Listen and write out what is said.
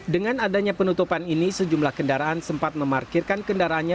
dengan adanya penutupan ini sejumlah kendaraan sempat memarkirkan kendaraannya